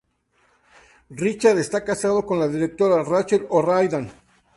Richard está casado con la directora Rachel O'Riordan.